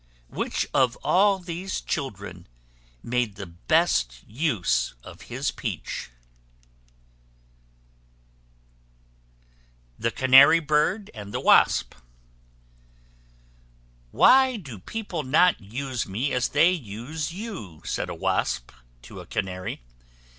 Which of all these children made the best use of his peach? THE CANARY BIRD AND THE WASP. "Why do people not use me as they use you?" said a Wasp to a Canary.